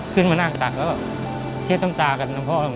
ขึ้นมานั่งตักแล้วเชียดต้มตากับพ่อแล้วลูก